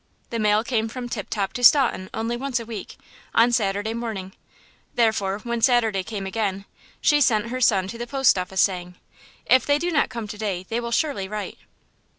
The mail came from Tip Top to Staunton only once a week–on Saturday mornings. Therefore, when Saturday came again, she sent her son to the post office, saying: "If they do not come to day they will surely write."